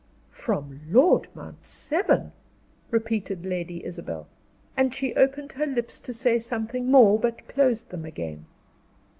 "From Lord Mount Severn?" repeated Lady Isabel. And she opened her lips to say something more, but closed them again.